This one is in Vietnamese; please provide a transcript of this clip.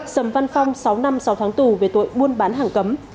sầm văn phong sáu năm sáu tháng tù về tội buôn bán hàng cấm